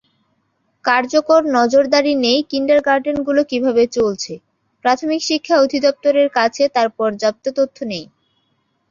কার্যকর নজরদারি নেইকিন্ডারগার্টেনগুলো কীভাবে চলছে, প্রাথমিক শিক্ষা অধিদপ্তরের কাছে তার পর্যাপ্ত তথ্য নেই।